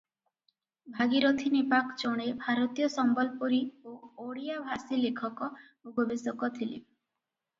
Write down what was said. ଭାଗିରଥୀ ନେପାକ ଜଣେ ଭାରତୀୟ ସମ୍ବଲପୁରୀ ଓ ଓଡ଼ିଆ-ଭାଷୀ ଲେଖକ ଓ ଗବେଷକ ଥିଲେ ।